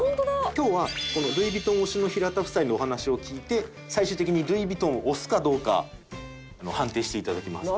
今日はこのルイ・ヴィトン推しの平田夫妻のお話を聞いて最終的にルイ・ヴィトンを推すかどうかの判定していただきます。